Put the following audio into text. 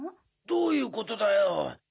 どういうことだよ？